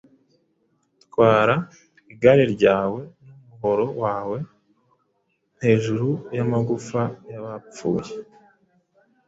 Twara igare ryawe n'umuhoro wawe hejuru y'amagufa y'abapfuye.